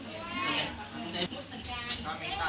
เตยต้องบอกไว้แล้วถ้าเตยมองอยู่กัน